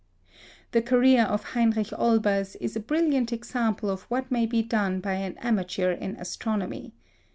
The career of Heinrich Olbers is a brilliant example of what may be done by an amateur in astronomy.